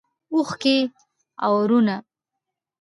اوښکې اورونه